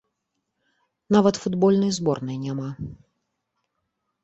Нават футбольнай зборнай няма!